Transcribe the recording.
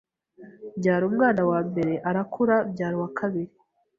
mbyara umwana wa mbere arakura mbyara uwa kabiri,